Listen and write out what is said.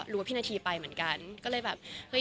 รู้ว่าพี่นาธีไปเหมือนกันก็เลยแบบ